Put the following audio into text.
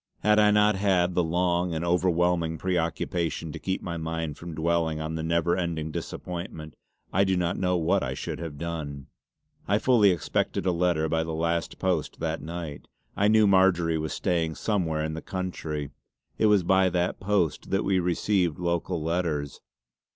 Had I not had the long and overwhelming preoccupation to keep my mind from dwelling on the never ending disappointment, I do not know what I should have done. I fully expected a letter by the last post that night. I knew Marjory was staying somewhere in the County; it was by that post that we received local letters.